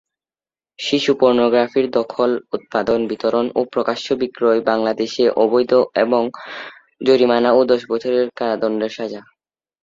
শিশু পর্নোগ্রাফির দখল, উৎপাদন, বিতরণ ও প্রকাশ্য বিক্রয় বাংলাদেশে অবৈধ এবং জরিমানা ও দশ বছরের কারাদণ্ডের সাজা।